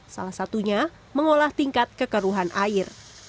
salah satunya mengolah tingkat kekeruhan air